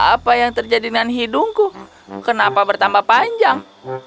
apa yang terjadi dengan hidungku kenapa bertambah panjang